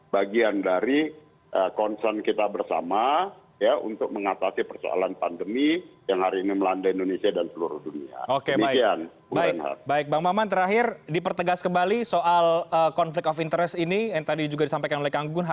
bahwa ketua dpr ri menko perekonomian